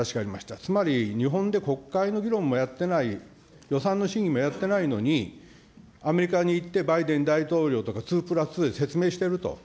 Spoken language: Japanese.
つまり、日本で国会の議論もやってない、予算の審議もやってないのに、アメリカに行って、バイデン大統領とか２プラス２で説明してると。